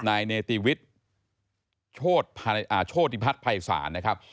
นายเนติวิทย์โชติพัฒน์ภัยศาลนะครับ